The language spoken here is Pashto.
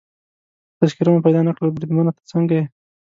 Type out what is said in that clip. خو تذکیره مو پیدا نه کړل، بریدمنه ته څنګه یې؟